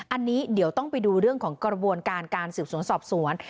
อันนี้เดี๋ยวต้องไปดูเรื่องของกระบวนการการสืบสวนสอบสวน